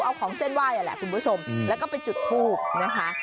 เอาของเส้นไหว้นั่นแหละคุณผู้ชมแล้วก็ไปจุดทูบนะคะ